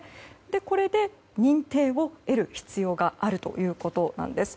これで認定を得る必要があるということなんです。